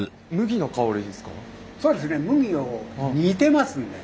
麦を煮てますんで。